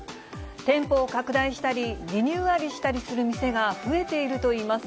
店舗を拡大したり、リニューアルしたりする店が増えているといいます。